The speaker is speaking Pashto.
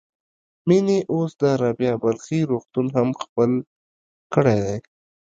مينې اوس د رابعه بلخي روغتون هم خپل کړی دی.